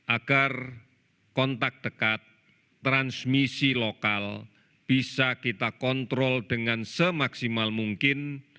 agar kontak dekat transmisi lokal bisa kita kontrol dengan semaksimal mungkin